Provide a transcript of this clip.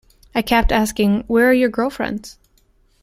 I kept asking 'Where are your girlfriends?